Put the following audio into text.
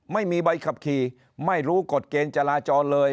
ไม่มีใบขับขี่ไม่รู้กฎเกณฑ์จราจรเลย